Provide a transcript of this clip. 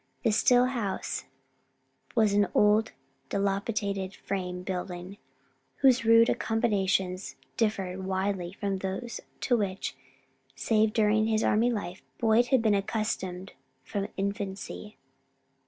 The still house was an old, dilapidated frame building, whose rude accommodations differed widely from those to which, save during his army life, Boyd had been accustomed from infancy.